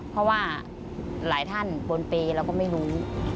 เพราะว่าหลายท่านบนเปย์เราก็ไม่รู้